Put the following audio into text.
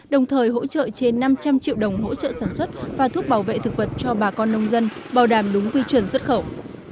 đồng thời hỗ trợ trên năm trăm linh triệu đồng hỗ trợ sản xuất và thuốc bảo vệ thực vật cho bà con nông dân bảo đảm đúng quy chuẩn xuất khẩu